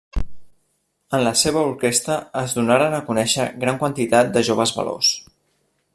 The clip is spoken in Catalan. En la seva orquestra es donaren a conèixer gran quantitat de joves valors.